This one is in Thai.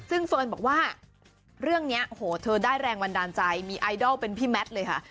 ซึ่งเฟิร์นบอกว่าเรื่องนี้โหเธอได้แรงบันดาลใจมีไอดอลเป็นพี่แมทเลยค่ะ